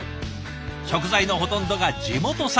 食材のほとんどが地元産。